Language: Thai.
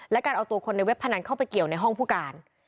และการเอาตัวคนในเว็บพนันเข้าไปเกี่ยวในห้องผู้การ